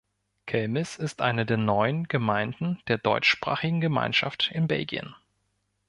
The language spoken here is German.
Kelmis ist eine der neun Gemeinden der Deutschsprachigen Gemeinschaft in Belgien.